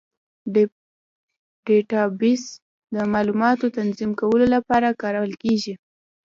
ډیټابیس د معلوماتو تنظیم کولو لپاره کارول کېږي.